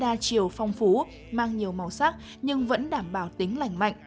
đa chiều phong phú mang nhiều màu sắc nhưng vẫn đảm bảo tính lành mạnh